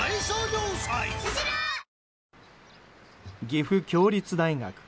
岐阜協立大学。